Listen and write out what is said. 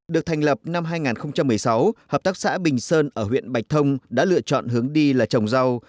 được thành lập năm hai nghìn một mươi sáu hợp tác xã bình sơn ở huyện bạch thông đã lựa chọn hướng đi là trồng rau